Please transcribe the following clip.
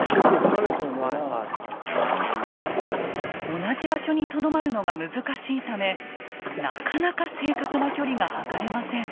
同じ場所にとどまるのが難しいためなかなか正確な距離が測れません。